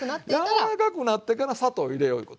柔らかくなってから砂糖入れよういうこと。